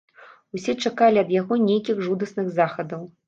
Усе чакалі ад яго нейкіх жудасных захадаў.